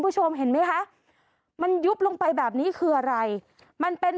คุณผู้ชมเห็นไหมคะมันยุบลงไปแบบนี้คืออะไรมันเป็น